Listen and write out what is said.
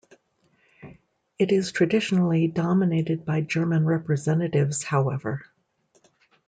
It is traditionally dominated by German representatives, however.